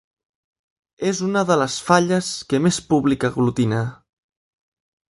És una de les falles que més públic aglutina.